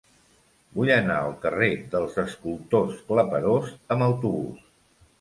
Vull anar al carrer dels Escultors Claperós amb autobús.